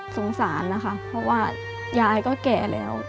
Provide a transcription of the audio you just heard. สงสารนะคะเพราะว่ายายก็แก่แล้ว